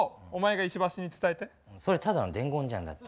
それただの伝言じゃんだって。